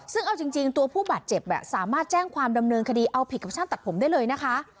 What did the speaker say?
ซึ่งเอาจริงตัวผู้บาดเจ็บสามารถแจ้งความดำเนินคดีเอาผิดกับช่างตัดผมได้เลยนะคะ